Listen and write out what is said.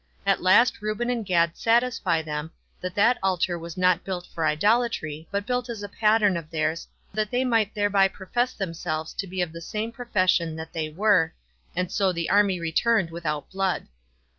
At last Reuben and Gad satisfy them, that that altar was not built for idolatry, but built as a pattern of theirs, that they might thereby profess themselves to be of the same profession that they were, and so the army returned without blood.